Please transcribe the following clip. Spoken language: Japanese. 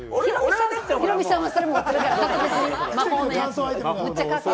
ヒロミさんはそれ持ってるから、魔法のやつ。